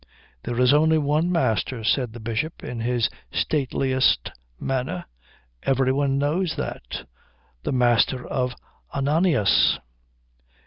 "There is only one Master," said the Bishop, in his stateliest manner. "Everybody knows that. The Master of Ananias."